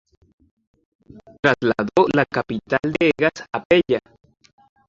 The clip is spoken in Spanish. Trasladó la capital de Egas a Pella.